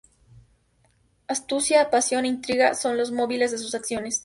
Astucia, pasión e intriga son los móviles de sus acciones.